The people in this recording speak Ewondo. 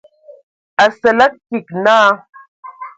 Asǝlǝg kig naa.